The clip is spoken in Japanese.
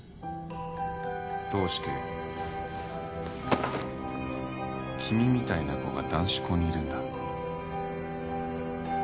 どうして君みたいな子が男子校にいるんだ？